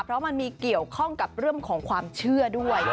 เพราะมันมีเกี่ยวข้องกับเรื่องของความเชื่อด้วย